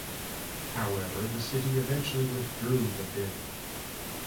However, the city eventually withdrew the bid.